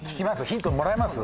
ヒントもらいます？